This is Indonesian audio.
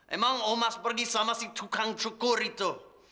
emang omas pergi sama si tukang cukur itu